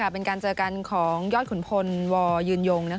เป็นการเจอกันของยอดขุนพลวยืนยง